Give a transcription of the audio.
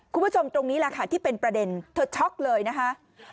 คุณผู้ชมตรงนี้แหละค่ะที่เป็นประเด็นเธอช็อกเลยนะคะ